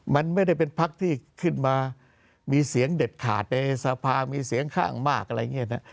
มันไม่ได้เป็นพักที่ขึ้นมามีเสียงเด็ดขาดในสภามีเสียงข้างมากอะไรอย่างนี้นะ